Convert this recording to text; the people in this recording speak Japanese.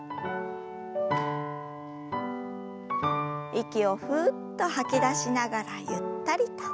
息をふっと吐き出しながらゆったりと。